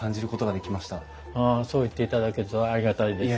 ああそう言っていただけるとありがたいです。